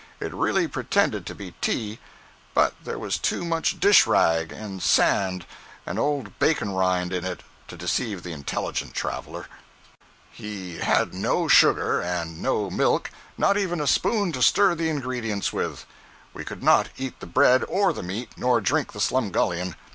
It really pretended to be tea, but there was too much dish rag, and sand, and old bacon rind in it to deceive the intelligent traveler. 044.jpg (64K) He had no sugar and no milk—not even a spoon to stir the ingredients with. We could not eat the bread or the meat, nor drink the "slumgullion."